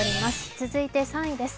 続いて３位です。